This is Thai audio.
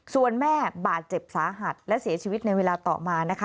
ส่วนแม่บาดเจ็บสาหัสและเสียชีวิตในเวลาต่อมานะคะ